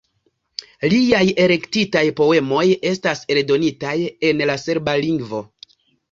Liaj elektitaj poemoj estas eldonitaj en la serba lingvo.